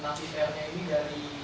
nafi pr ini dari